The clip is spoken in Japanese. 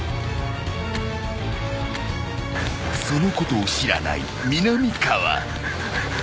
［そのことを知らないみなみかわ］